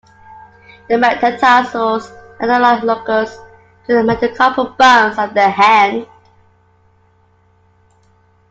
The metatarsals are analogous to the metacarpal bones of the hand.